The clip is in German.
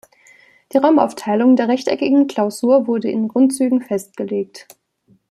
Die Raumaufteilung der rechteckigen Klausur wurde in Grundzügen erfasst.